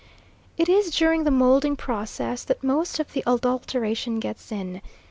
It is during the moulding process that most of the adulteration gets in.